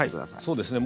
そうですね。